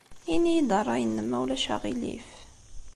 Ini-iyi-d ṛṛay-nnem, ma ulac aɣilif.